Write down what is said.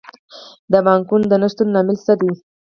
د پانګونې د نه شتون لامل څه دی؟